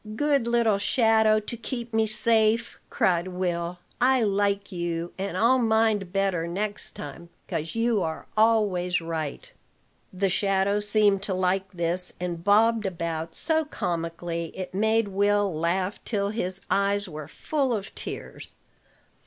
"Good little shadow, to keep me safe!" cried Will. "I like you; and I'll mind better next time, 'cause you are always right." The shadow seemed to like this, and bobbed about so comically it made Will laugh till his eyes were full of tears.